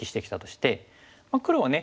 黒はね